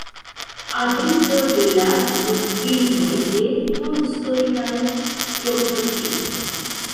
Adepto de la doktrinoj de Tolstoj kaj Kropotkin.